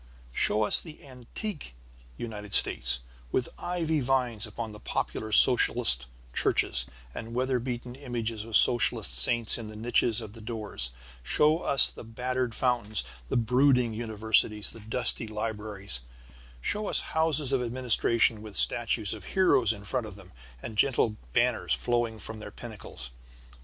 Show us the antique United States, with ivy vines upon the popular socialist churches, and weather beaten images of socialist saints in the niches of the doors. Show us the battered fountains, the brooding universities, the dusty libraries. Show us houses of administration with statues of heroes in front of them and gentle banners flowing from their pinnacles.